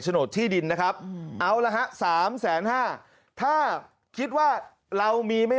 โหนดที่ดินนะครับเอาละฮะสามแสนห้าถ้าคิดว่าเรามีไม่